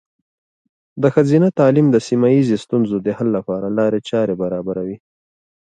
د ښځینه تعلیم د سیمه ایزې ستونزو د حل لپاره لارې چارې برابروي.